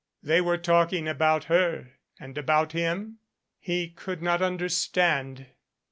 They were talking about her and about him ? He could not understand.